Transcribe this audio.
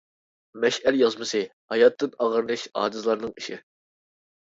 مەشئەل يازمىسى ھاياتتىن ئاغرىنىش ئاجىزلارنىڭ ئىشى.